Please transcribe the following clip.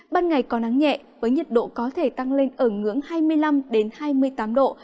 ban ngày có nắng nhẹ với nhiệt độ có thể tăng lên ở ngưỡng hai mươi năm hai mươi tám độ